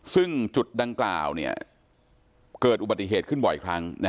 ซึ่งจุดดังกล่าวเกิดอุบัติเหตุขึ้นบ่อยครั้ง